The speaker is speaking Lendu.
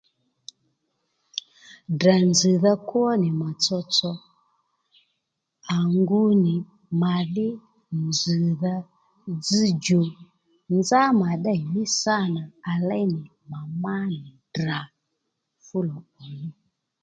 Ddrà nzz̀dha kwó nì mà tsotso à ngu nì mà dhí nzz̀dha dzzdjò nzá mà ddéyní sânà à léy nì ma má nì Ddrà fù lò ò luw